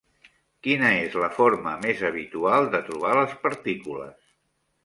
Quina és la forma més habitual de trobar les partícules?